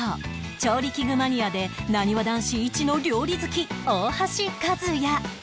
調理器具マニアでなにわ男子イチの料理好き大橋和也